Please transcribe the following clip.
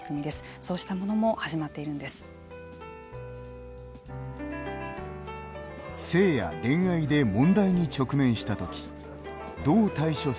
そうしたものも始まっているんです。